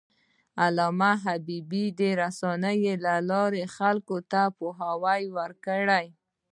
علامه حبيبي د رسنیو له لارې خلکو ته پوهاوی ورکړی.